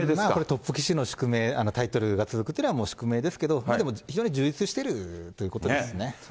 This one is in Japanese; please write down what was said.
トップ棋士の宿命、タイトルが続くというのは宿命ですけど、でも非常に充実してるということですね。